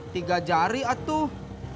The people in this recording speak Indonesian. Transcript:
tiga jari atuh